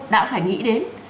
đã phải nghĩ đến